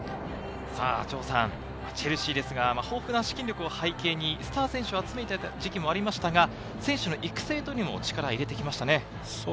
チェルシーですが、豊富な資金力を背景にスター選手を集めていた時期もありましたが、選手の育成にも力を入れてきましたね。